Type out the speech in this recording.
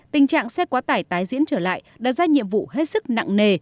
tình trạng xe quá tải tái diễn trở lại đặt ra nhiệm vụ hết sức nặng nề